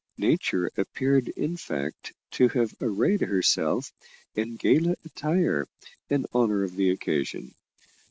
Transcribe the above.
Nature appeared in fact to have arrayed herself in gala attire, in honour of the occasion.